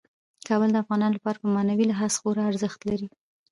کابل د افغانانو لپاره په معنوي لحاظ خورا ارزښت لري.